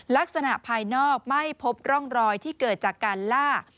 ภายนอกไม่พบร่องรอยที่เกิดจากการล่า